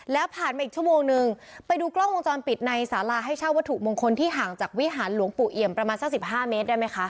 แล้วผ่านมาอีกชั่วโมงนึงไปดูกล้องวงจรปิดในสาราให้เช่าวัตถุมงคลที่ห่างจากวิหารหลวงปู่เอี่ยมประมาณสัก๑๕เมตรได้ไหมคะ